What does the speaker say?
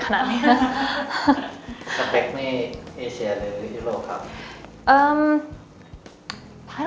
สเปคไม่เอเชียหรือยุโรปครับ